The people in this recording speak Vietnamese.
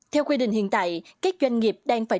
theo quy định hiện tại các doanh nghiệp đang phải